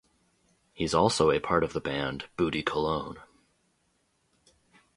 He's also a part of the band Booty Cologne.